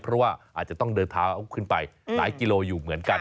เพราะว่าอาจจะต้องเดินเท้าขึ้นไปหลายกิโลอยู่เหมือนกัน